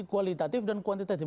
kualitatif dan kuantitatif